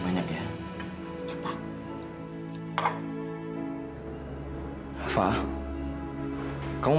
masa apa yuk